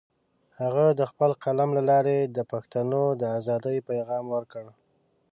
هغه د خپل قلم له لارې د پښتنو د ازادۍ پیغام ورکړ.